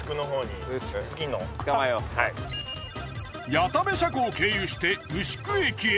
谷田部車庫を経由して牛久駅へ。